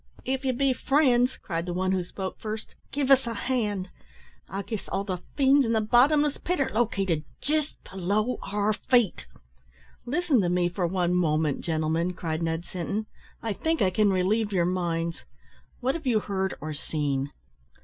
"If ye be friends," cried the one who spoke first, "give us a hand. I guess all the fiends in the bottomless pit are lo cated jist below our feet." "Listen to me for one moment, gentlemen," cried Ned Sinton. "I think I can relieve your minds. What have you heard or seen?"